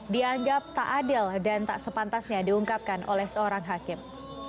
dianggap tak adil dan tak sepantasnya diungkapkan oleh seorang hakim